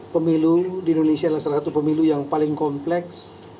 pemilu di indonesia adalah salah satu pemilu yang paling kompleks